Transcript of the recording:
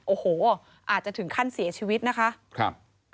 โอ้โหอาจจะถึงขั้นเสียชีวิตนะคะครับ